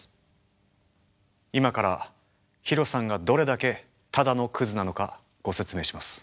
今からヒロさんがどれだけただのクズなのかご説明します。